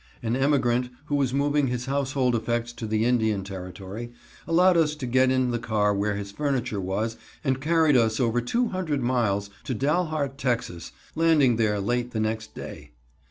An emigrant, who was moving his household effects to the Indian Territory, allowed us to get in the car where his furniture was and carried us over two hundred miles to Dalhart, Tex., landing there late the next day.